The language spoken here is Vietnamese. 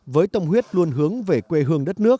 với tâm huyết luôn hướng về quê hương đất nước